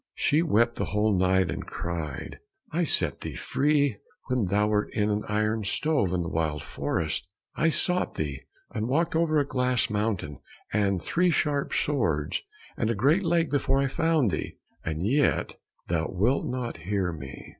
She wept the whole night and cried, "I set thee free when thou wert in an iron stove in the wild forest, I sought thee, and walked over a glass mountain, and three sharp swords, and a great lake before I found thee, and yet thou wilt not hear me!"